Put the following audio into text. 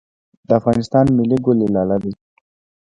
د افغانستان ملي ګل لاله دی